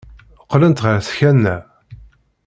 Qqlent ɣer tkanna.